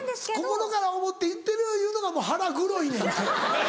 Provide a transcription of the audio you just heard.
心から思って言ってるいうのがもう腹黒いねんて。